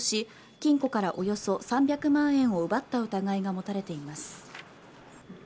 金庫からおよそ３００万円を奪った疑いが持たれています。